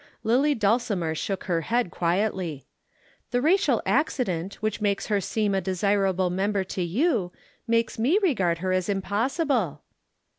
Lillie Dulcimer shook her head quietly. "The racial accident which makes her seem a desirable member to you, makes me regard her as impossible."